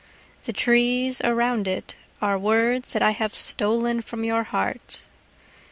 The trees around itAre words that I have stolen from your heart.